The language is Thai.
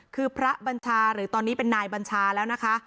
คือพระบัญชาหรือตอนนี้เป็นนายบัญชาแล้วนะคะ